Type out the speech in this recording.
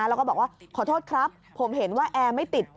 แล้วก็บอกว่าขอโทษครับผมเห็นว่าแอร์ไม่ติด